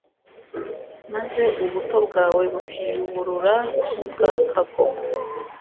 maze ubuto bwawe bukiyuburura nk'ubwa kagoma